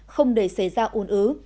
không để xảy ra ồn ứ